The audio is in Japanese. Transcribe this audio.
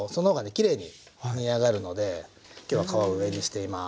きれいに煮上がるので今日は皮を上にしています。